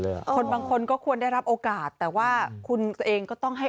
คนบางคนก็ควรได้รับโอกาสแต่ว่าคุณตัวเองก็ต้องให้